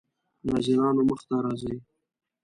ناظرانو مخې ته راځي.